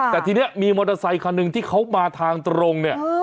แต่ทีนี้มีมอเตอร์ไซคันหนึ่งที่เขามาทางตรงเนี่ย